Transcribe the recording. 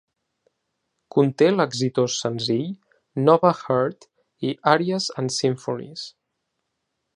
Conté l'exitós senzill "Nova Heart" i "Arias and Symphonies".